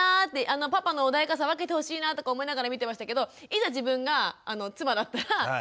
あのパパの穏やかさ分けてほしいなとか思いながら見てましたけどいざ自分が妻だったら多分私も怒ってると思います。